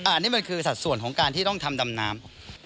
อันนี้มันคือสัดส่วนของการที่ต้องทำดำน้ำ